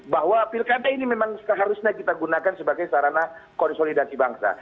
bahwa pilkada ini memang seharusnya kita gunakan sebagai sarana konsolidasi bangsa